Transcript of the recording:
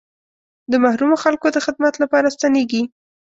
د محرومو خلکو د خدمت لپاره ستنېږي.